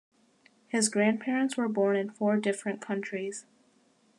His grandparents were born in four different countries.